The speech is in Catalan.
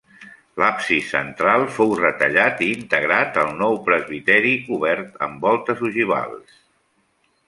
L'absis central fou retallat i integrat al nou presbiteri cobert amb voltes ogivals.